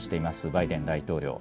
バイデン大統領。